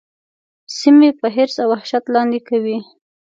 سیمې په حرص او وحشت لاندي کوي.